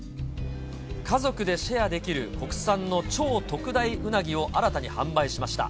家族でシェアできる国産の超特大うなぎを新たに販売しました。